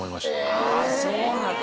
ああそうなんだ！